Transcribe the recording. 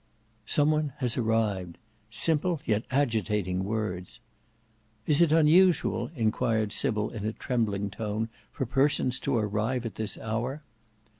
"Some one has arrived." Simple yet agitating words. "Is it unusual," enquired Sybil in a trembling tone, "for persons to arrive at this hour?"